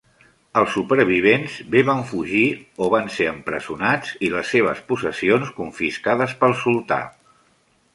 Els supervivents bé van fugir o van ser empresonats i les seves possessions confiscades pel Sultà.